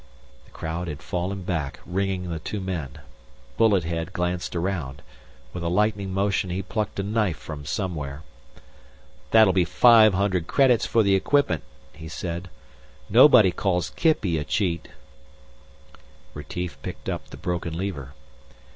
The crowd had fallen back, ringing the two men. Bullet head glanced around. With a lightning motion, he plucked a knife from somewhere. "That'll be five hundred credits for the equipment," he said. "Nobody calls Kippy a cheat." Retief picked up the broken lever.